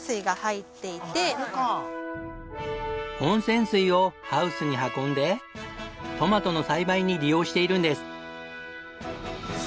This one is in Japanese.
温泉水をハウスに運んでトマトの栽培に利用しているんです。